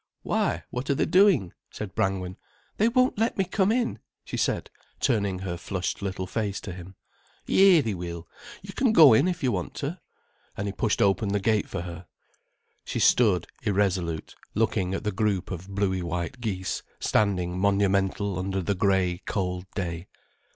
"Why, what are they doing?" said Brangwen. "They won't let me come in," she said, turning her flushed little face to him. "Yi, they will. You can go in if you want to," and he pushed open the gate for her. She stood irresolute, looking at the group of bluey white geese standing monumental under the grey, cold day.